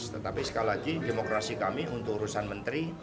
tetapi sekali lagi demokrasi kami untuk urusan menteri